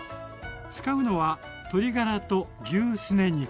使うのは鶏ガラと牛すね肉。